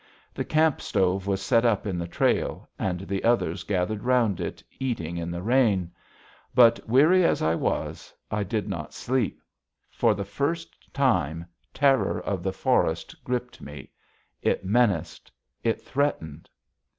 The camp stove was set up in the trail, and the others gathered round it, eating in the rain. But, weary as I was, I did not sleep. For the first time, terror of the forest gripped me. It menaced; it threatened.